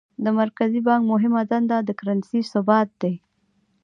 د مرکزي بانک مهمه دنده د کرنسۍ ثبات دی.